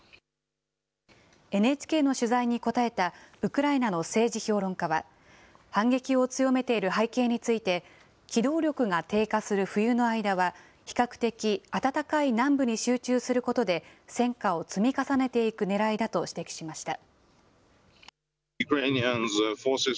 ＮＨＫの取材に答えたウクライナの政治評論家は、反撃を強めている背景について、機動力が低下する冬の間は、比較的暖かい南部に集中することで戦果を積み重ねていくねらいだと指摘しました。